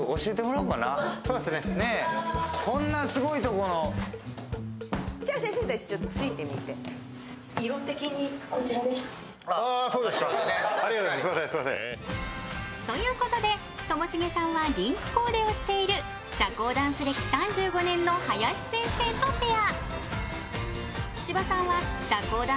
このまま上がらせてもらっていいんですかということで、ともしげさんはリンクコーデをしている社交ダンス歴３５年の林先生とペア。